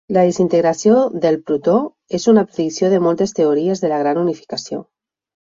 La desintegració del protó és una predicció de moltes teories de la gran unificació.